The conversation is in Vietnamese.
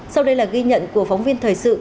sau đây là ghi nhận của phóng viên thời sự